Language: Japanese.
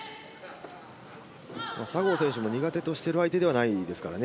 佐合選手の苦手としてた相手ではないですからね。